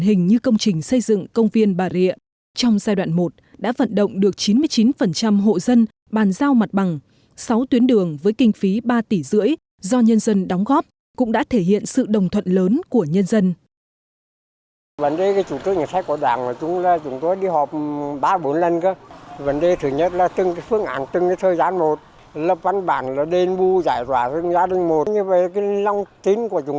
trong giai đoạn hai đã vận động được chín mươi chín hộ dân bàn giao mặt bằng sáu tuyến đường với kinh phí ba tỷ rưỡi do nhân dân đóng góp cũng đã thể hiện sự đồng thuận lớn của nhân dân đóng góp cũng đã thể hiện sự đồng thuận